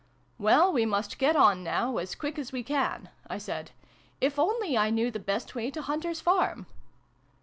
"Well, we must get on, now, as quick as we can," I said. "If only I knew the best way to Hunter's farm